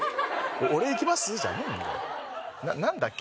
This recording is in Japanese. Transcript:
「俺いきます？」じゃねえんだよ何だっけ？